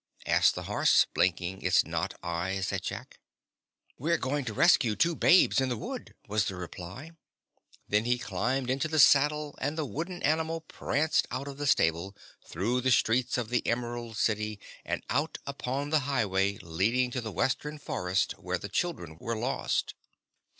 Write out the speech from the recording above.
asked the horse, blinking its knot eyes at Jack. "We're going to rescue two babes in the wood," was the reply. Then he climbed into the saddle and the wooden animal pranced out of the stable, through the streets of the Emerald City and out upon the highway leading to the western forest where the children were lost.